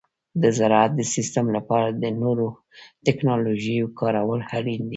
د زراعت د سیستم لپاره د نوو تکنالوژیو کارول اړین دي.